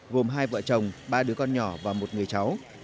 gồm hai vợ chồng ba đứa con nhỏ và một người cháu